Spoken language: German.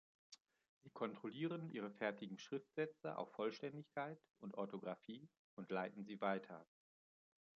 Sie kontrollieren ihre fertigen Schriftsätze auf Vollständigkeit und Orthografie und leiten sie weiter.